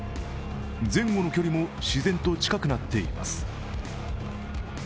前後の距離も自然と近くなっています。